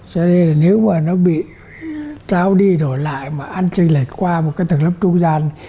cho nên là nếu mà nó bị trao đi đổi lại mà an ninh lệch qua một cái tầng lớp trung gian